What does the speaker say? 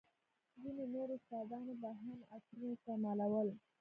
ځينو نورو استادانو به هم عطرونه استعمالول.